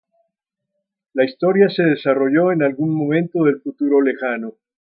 La historia se desarrollo en algún momento del futuro lejano.